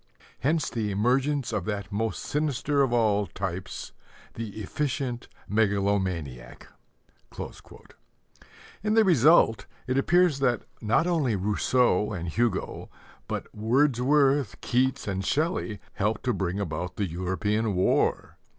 Hence the emergence of that most sinister of all types, the efficient megalomaniac." In the result it appears that not only Rousseau and Hugo, but Wordsworth, Keats, and Shelley, helped to bring about the European War!